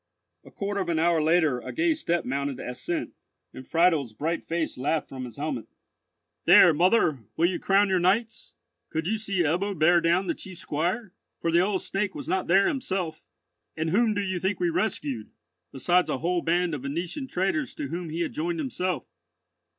A quarter of an hour later, a gay step mounted the ascent, and Friedel's bright face laughed from his helmet: "There, mother, will you crown your knights? Could you see Ebbo bear down the chief squire? for the old Snake was not there himself. And whom do you think we rescued, besides a whole band of Venetian traders to whom he had joined himself?